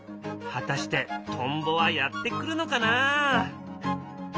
果たしてトンボはやって来るのかな。